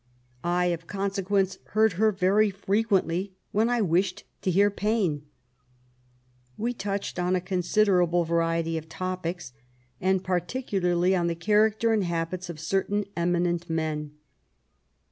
I, of con sequence, heard her very frequently when I wished to hear Paine. We touched on a considerable variety of topics, and particularly on the character and habits of certain eminent men.